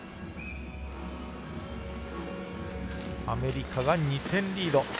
アメリカが２点リード。